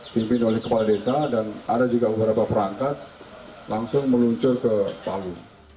dipimpin oleh kepala desa dan ada juga beberapa perangkat langsung meluncur ke palu